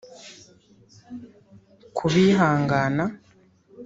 Ku bihangana